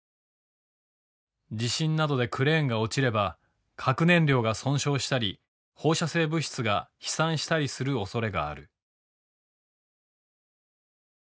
地震などでクレーンが落ちれば核燃料が損傷したり放射性物質が飛散したりするおそれがある。